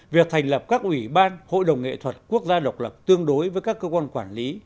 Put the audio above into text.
việc thành lập các ủy ban hội đồng nghệ thuật quốc gia độc lập tương đối với các cơ quan quản lý